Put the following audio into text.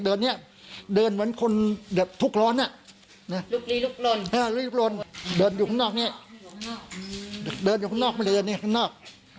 เดินข้างนอก